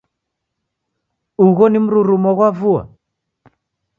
Ugho ni mrurumo ghwa vua?